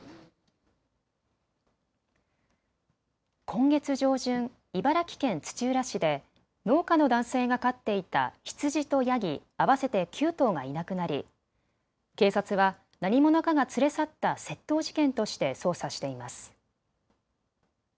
今月上旬、茨城県土浦市で農家の男性が飼っていた羊とヤギ合わせて９頭がいなくなり警察は何者かが連れ去った窃盗事件として捜査しています。